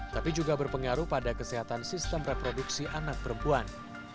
tapi juga berpengaruh pada kesehatan sistem reproduksi anak perempuan